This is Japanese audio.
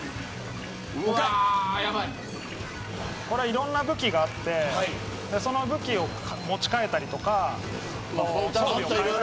いろんな武器があってその武器を持ち替えたりとか。